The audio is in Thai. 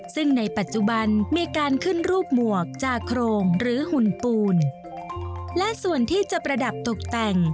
ซึ่งในปัจจุบันมีการขึ้นรูปหมวกจากโครงหรือหุ่นปูนและส่วนที่จะประดับตกแต่ง